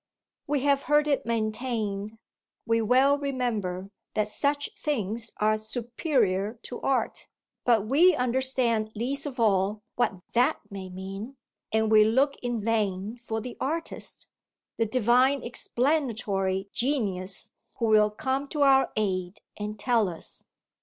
We have heard it maintained, we well remember, that such things are "superior to art"; but we understand least of all what that may mean, and we look in vain for the artist, the divine explanatory genius, who will come to our aid and tell us.